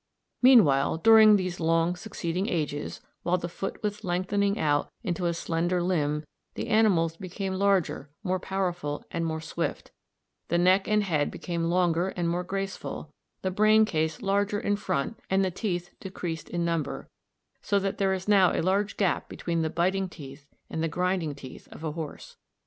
Meanwhile during these long succeeding ages while the foot was lengthening out into a slender limb the animals became larger, more powerful, and more swift, the neck and head became longer and more graceful, the brain case larger in front and the teeth decreased in number, so that there is now a large gap between the biting teeth i and the grinding teeth g of a horse.